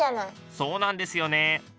そうなんですよね。